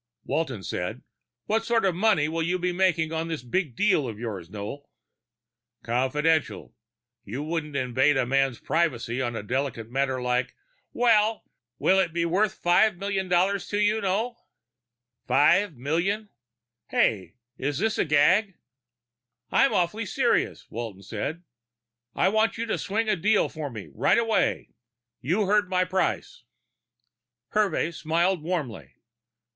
Walton said, "What sort of money will you be making on this big deal of yours, Noel?" "Confidential! You wouldn't invade a man's privacy on a delicate matter like " "Will it be worth five million dollars for you, Noel?" "Five million hey, is this a gag?" "I'm awfully serious," Walton said. "I want you to swing a deal for me, right away. You've heard my price." Hervey smiled warmly.